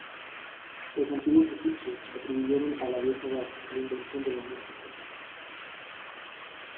Los antiguos egipcios atribuyeron a la diosa Bat la invención de la música.